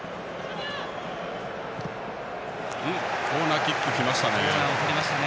コーナーキックきましたね。